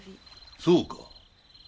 そうか。